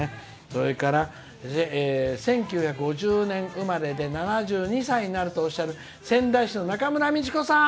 それから１９５０年生まれで７２歳になるとおっしゃる仙台市のなかむらみちこさん。